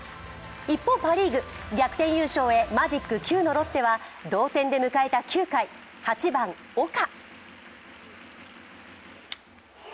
一方、パ・リーグ、逆転優勝へマジック９のロッテは同点で迎えた９回、８番・岡。